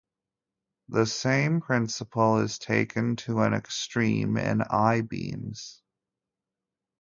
The same principle is taken to an extreme in I-beams.